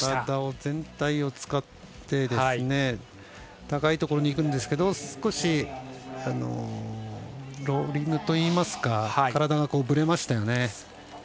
体全体を使って高いところにいくんですけど少しローリングといいますか体がぶれましたよね。